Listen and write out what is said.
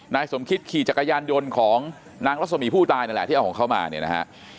นายสมคิตขี่จักรยานยนต์ของนางรัศมีผู้ตายนั่นแหละที่เอาของเขามาเนี่ยนะฮะ